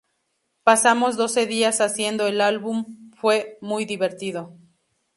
Pasamos doce días haciendo el álbum... fue muy divertido.